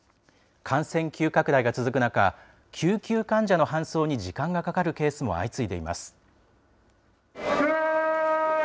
感染急拡大が続く中、救急患者の搬送に時間がかかるケースも相次いでいます。